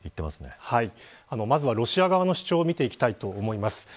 まずはロシア側の主張を見ていきます。